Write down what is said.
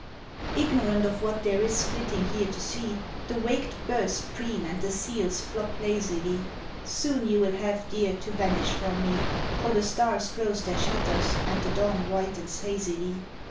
Ignorant of what there is flitting here to see, The waked birds preen and the seals flop lazily, Soon you will have, Dear, to vanish from me, For the stars close their shutters and the dawn whitens hazily.